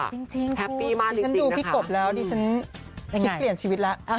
จริงครูแฮปปี้มากเลยนะคะดิฉันดูพี่กบแล้วดิฉันคิดเปลี่ยนชีวิตแล้ว